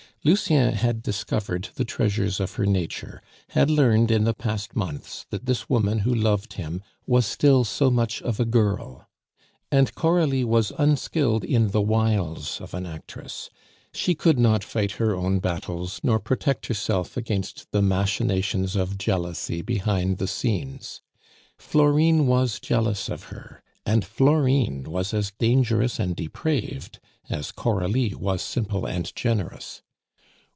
Lucien had discovered the treasures of her nature; had learned in the past months that this woman who loved him was still so much of a girl. And Coralie was unskilled in the wiles of an actress she could not fight her own battles nor protect herself against the machinations of jealousy behind the scenes. Florine was jealous of her, and Florine was as dangerous and depraved as Coralie was simple and generous.